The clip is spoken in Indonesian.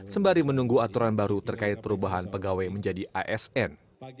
sembari menunggu aturan baru terkait perubahan pegawai menjadi asn